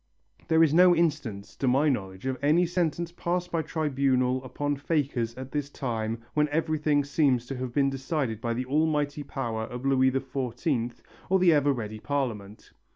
There is no instance to my knowledge of any sentence passed by tribunal upon fakers at this time when everything seems to have been decided by the almighty, power of Louis XIV or the ever ready Parliament.